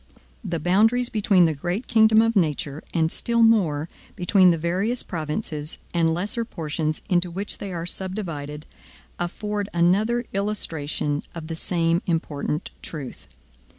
The boundaries between the great kingdom of nature, and, still more, between the various provinces, and lesser portions, into which they are subdivided, afford another illustration of the same important truth.